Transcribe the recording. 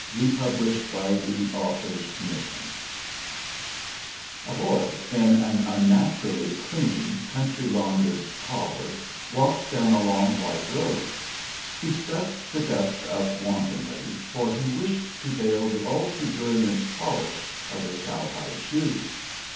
republished by the author's permission. A CALL By Grace MacGowan Cooke (1863 ) A boy in an unnaturally clean, country laundered collar walked down a long white road. He scuffed the dust up wantonly, for he wished to veil the all too brilliant polish of his cowhide shoes.